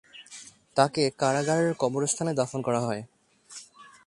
তাকে কারাগারের কবরস্থানে দাফন করা হয়।